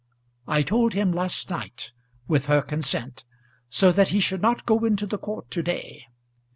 "I told him last night, with her consent; so that he should not go into the court to day.